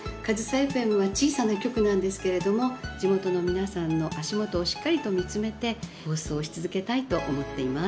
エフエムは小さな局なんですけれども地元の皆さんの足元をしっかりと見つめて放送し続けたいと思っています。